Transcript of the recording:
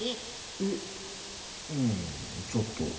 えうんちょっと。